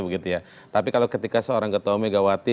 tapi sebenarnya sebel ketika seorang ketua megawati